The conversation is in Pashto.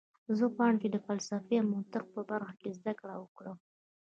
زه غواړم چې د فلسفې او منطق په برخه کې زده کړه وکړم